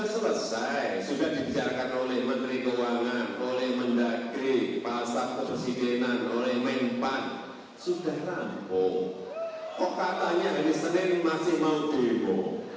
sudah kok katanya ini sedang masih mau demo